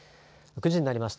９時になりました。